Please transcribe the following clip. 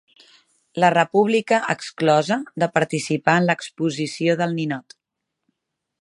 La República exclosa de participar en l'Exposició del Ninot